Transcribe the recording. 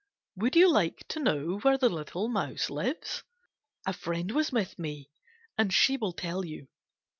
Would you like to know where the little mouse lives ? A friend was with me and she will tell you.